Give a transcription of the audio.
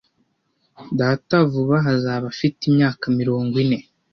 Data vuba aha azaba afite imyaka mirongo ine.